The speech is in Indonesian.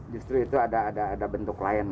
justru itu ada bentuk lain